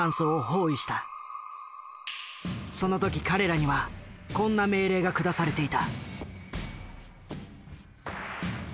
その時彼らにはこんな命令が下されていた。